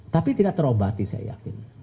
tapi tidak terobati saya yakin